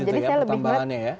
jadi saya lebih mencerna